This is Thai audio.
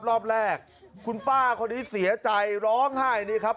รอบแรกคุณป้าคนนี้เสียใจร้องไห้นี่ครับ